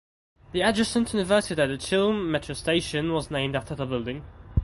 The adjacent Universidad de Chile metro station was named after the building.